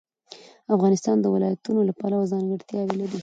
افغانستان د ولایتونو له پلوه ځانګړتیاوې لري.